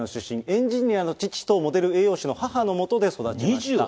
エンジニアの父と、モデル、栄養士の母のもとで育ちました。